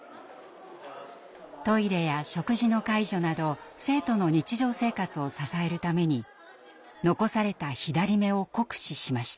トイレや食事の介助など生徒の日常生活を支えるために残された左目を酷使しました。